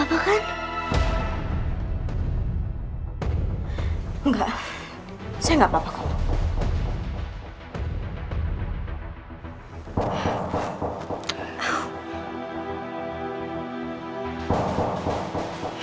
pak tata serventating friend